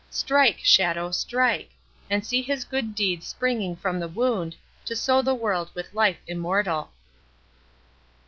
Strike! shadow, strike! and see his good deeds springing from the wound, to sow the world with life immortal."